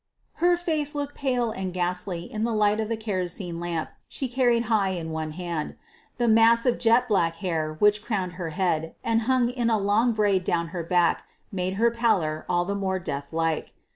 Her face looked pale and ghastly in the light of the kerosene lamp she carried high in one hand. The mass of jet black hair which crowned her head and hung in a long braid down her back made her pallor all the more death like.